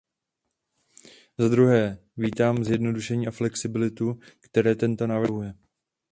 Zadruhé, vítám zjednodušení a flexibilitu, které tento návrh představuje.